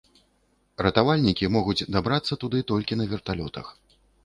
Ратавальнікі могуць дабрацца туды толькі на верталётах.